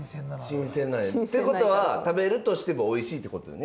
新鮮なんや。ってことは食べるとしてもおいしいってことよね？